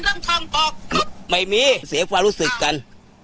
จ้าอยากอยู่ใกล้ใกล้เหมือนกัน